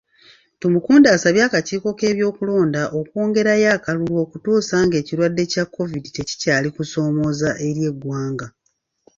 Tumukunde asabye akakiiko k'ebyokulonda okwongerayo akalulu okutuusa ng'ekirwadde kya Kovidi tekikyali kusoomooza eri eggwanga.